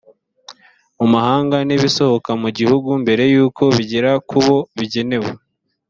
mu mahanga n ibisohoka mu gihugu mbere y uko bigera ku bo bigenewe